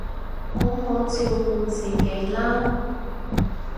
好好照顧自己啦